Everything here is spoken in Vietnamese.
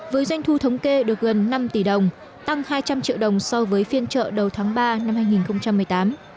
với doanh thu thống kê được gần năm tỷ đồng tăng hai trăm linh triệu đồng so với phiên trợ đầu tháng ba năm hai nghìn một mươi tám